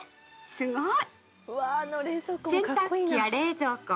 すごい！